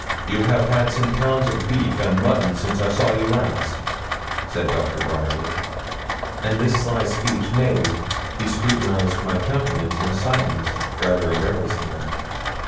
You have had some pounds of beef and mutton since I saw you last,' said Dr. Bryerly. And this sly speech made, he scrutinised my countenance in silence rather embarrassingly.